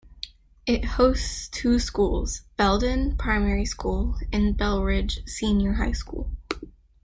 It hosts two schools - Beldon Primary School and Belridge Senior High School.